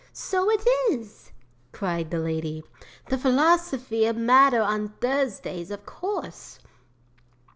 '"So it is!" cried the lady. "The Philosophy of Matter on Thursdays, of course."